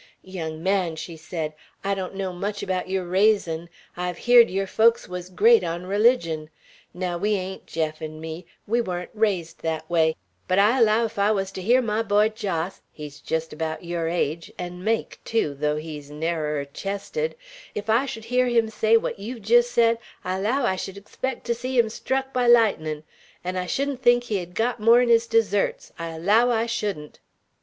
"Young man," she said, "I donno much abaout yeour raisin'. I've heered yeour folks wuz great on religion. Naow, we ain't, Jeff 'n' me; we warn't raised thet way; but I allow ef I wuz ter hear my boy, Jos, he's jest abaout yeour age, 'n' make tew, though he's narrerer chested, ef I should hear him say what yeou've jest said, I allow I sh'd expect to see him struck by lightnin'; 'n' I sh'dn't think he hed got more 'n his deserts, I allow I sh'dn't!"